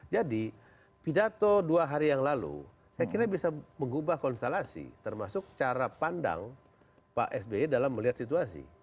jadi pidato dua hari yang lalu saya kira bisa mengubah konstelasi termasuk cara pandang pak sby dalam melihat situasi